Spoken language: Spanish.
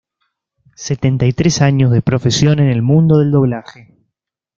Setenta y tres años de profesión en el mundo del doblaje.